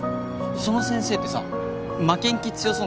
その先生ってさ負けん気強そうな顔してた？